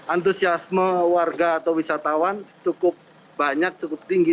antusiasme warga atau wisatawan cukup banyak cukup tinggi